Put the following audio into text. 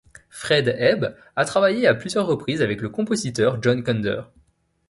Fred Ebb a travaillé à plusieurs reprises avec le compositeur John Kander.